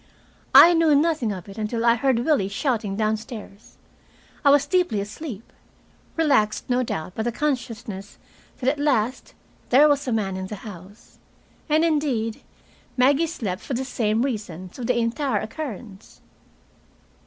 I knew nothing of it until I heard Willie shouting downstairs. I was deeply asleep, relaxed no doubt by the consciousness that at last there was a man in the house. And, indeed, Maggie slept for the same reason through the entire occurrence.